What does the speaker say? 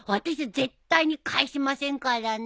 絶対に返しませんからね。